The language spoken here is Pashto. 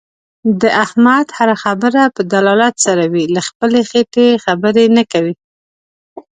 د احمد هر خبره په دلالت سره وي. له خپلې خېټې خبرې نه کوي.